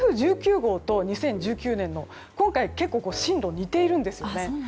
２０１９年の台風１９号と今回、結構進路が似ているんですよね。